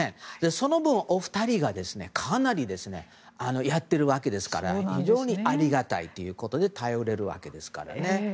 その分、お二人がかなりやっているわけですから非常にありがたいということで頼れるわけですからね。